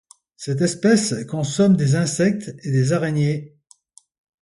Cette espèce consomme des insectes et des araignées.